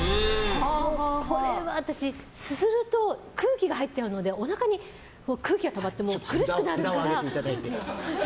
これは私、すすると空気が入っちゃうのでおなかに空気がたまって苦しくなるので。